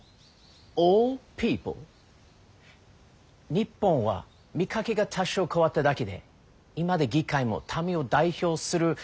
日本は見かけが多少変わっただけでいまだ議会も民を代表する集まりすらない。